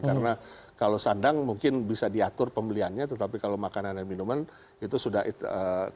karena kalau sandang mungkin bisa diatur pembeliannya tetapi kalau makanan dan minuman itu sudah keharusan dan kebiasaan bahkan